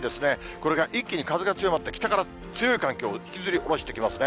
これが一気に風が強まって、北から強い寒気を引きずり下ろしてきますね。